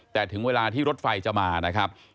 แต่ถึงเวลาที่รถไฟจะมานะครับ